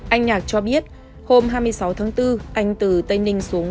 anh nhạc cho biết hôm hai mươi sáu tháng bốn